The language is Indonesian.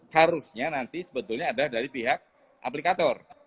harusnya nanti sebetulnya adalah dari pihak aplikator